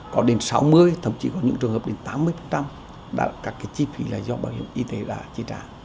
có đến sáu mươi thậm chí có những trường hợp đến tám mươi các cái chi phí là do bảo hiểm y tế đã chi trả